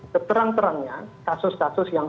seterang terangnya kasus kasus yang